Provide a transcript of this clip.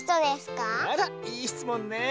あらいいしつもんね。